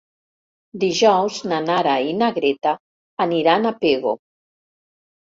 Dijous na Nara i na Greta aniran a Pego.